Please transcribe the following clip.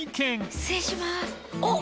失礼しますあっ！